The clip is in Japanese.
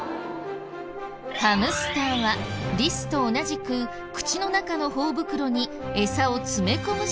ハムスターはリスと同じく口の中のほお袋にエサを詰め込む習性がある。